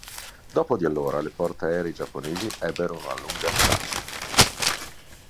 Dopo di allora le portaerei giapponesi ebbero una lunga stasi.